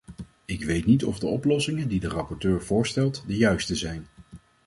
Ik weet niet of de oplossingen die de rapporteur voorstelt de juiste zijn.